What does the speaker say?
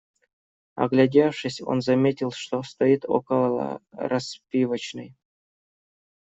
Оглядевшись, он заметил, что стоит около распивочной.